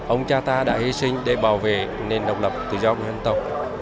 ông cha ta đã hy sinh để bảo vệ nền độc lập tự do của dân tộc